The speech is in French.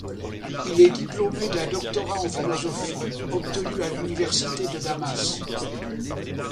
Il est diplômé d'un doctorat en philosophie, obtenu à l'université de Damas.